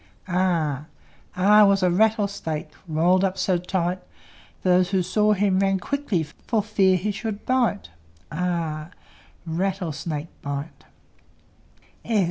R R was a rattlesnake, Rolled up so tight, Those who saw him ran quickly, For fear he should bite. r! Rattlesnake bite!